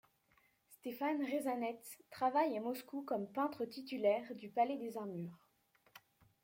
Stéphane Rezanets travaille à Moscou comme peintre titulaire du Palais des Armures.